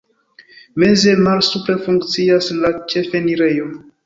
Meze malsupre funkcias la ĉefenirejo.